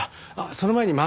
その前に豆。